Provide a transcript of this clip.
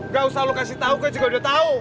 gak usah lo kasih tahu kan juga udah tahu